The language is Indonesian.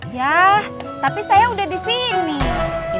ya tapi saya udah di sini